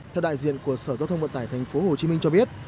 theo đại diện của sở giao thông vận tải tp hcm cho biết